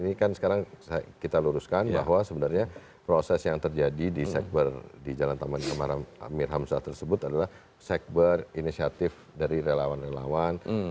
ini kan sekarang kita luruskan bahwa sebenarnya proses yang terjadi di sekber di jalan taman amir hamzah tersebut adalah sekber inisiatif dari relawan relawan